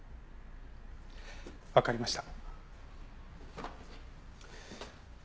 わかりました。